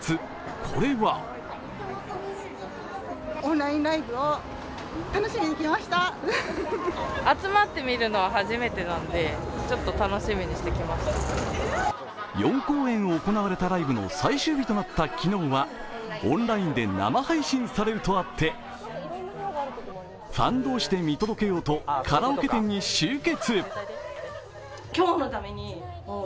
これは４公演行われたライブの最終日となった昨日は、オンラインで生配信されるとあってファン同士で見届けようとカラオケ店に集結。